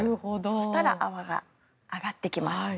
そうしたら泡が上がってきます。